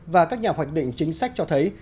và các nhà hoạch định chính sách cho thấy